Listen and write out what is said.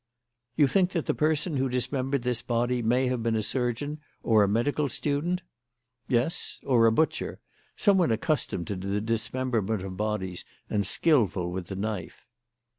"You think that the person who dismembered this body may have been a surgeon or a medical student?" "Yes; or a butcher. Someone accustomed to the dismemberment of bodies and skilful with the knife."